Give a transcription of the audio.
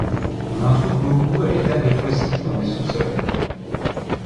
On en trouve beaucoup à l'état de fossiles dans le sous-sol.